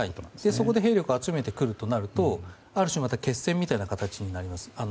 そこで兵力を集めてくるとなるとある種、また決戦みたいな形になります。